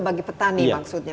bagi petani maksudnya